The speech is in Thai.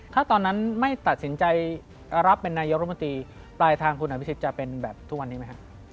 ถ้าตอนนั้นไม่ตัดสินใจรับเป็นนายกรมนตรีปลายทางคุณอภิษฎจะเป็นแบบทุกวันนี้ไหมครับ